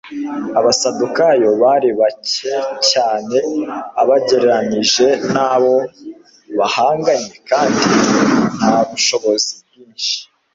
Abasadukayo bari bake cyane ubagereranije n'abo bahanganye kandi nta bushobozi bwinshi